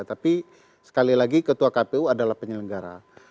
tapi sekali lagi ketua kpu adalah penyelenggara